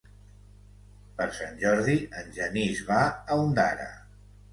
Per Sant Jordi en Genís va a Ondara.